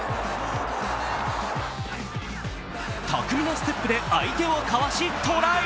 巧みなステップで相手をかわし、トライ！